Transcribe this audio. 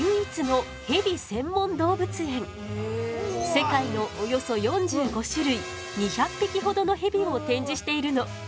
世界のおよそ４５種類２００匹ほどのヘビを展示しているの。